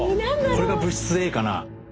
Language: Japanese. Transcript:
これが物質Ａかな？